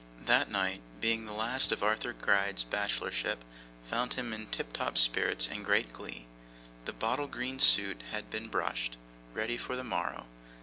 That night, being the last of Arthur Gride's bachelorship, found him in tiptop spirits and great glee. The bottle green suit had been brushed, ready for the morrow.